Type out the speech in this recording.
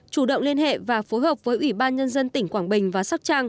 chủ động liên hệ và phối hợp với ủy ban nhân dân tỉnh quảng bình và sắc trang